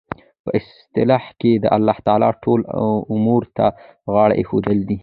په اصطلاح کښي د الله تعالی ټولو امورو ته غاړه ایښودل دي.